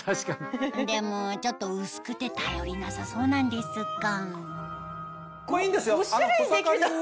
でもちょっと薄くて頼りなさそうなんですがいいんですよ。